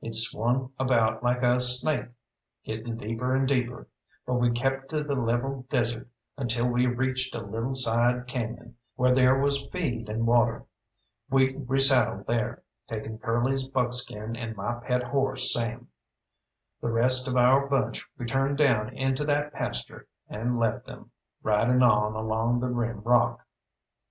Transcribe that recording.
It swung about like a snake, getting deeper and deeper; but we kept to the level desert, until we reached a little side cañon, where there was feed and water. We resaddled there, taking Curly's buckskin and my pet horse Sam. The rest of our bunch we turned down into that pasture, and left them, riding on along the rim rock.